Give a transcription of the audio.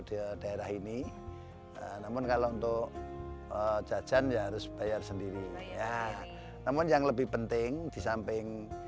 di daerah ini namun kalau untuk jajan ya harus bayar sendiri ya namun yang lebih penting di samping